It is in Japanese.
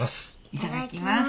いただきます